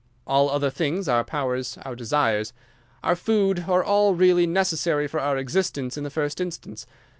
All other things, our powers our desires, our food, are all really necessary for our existence in the first instance.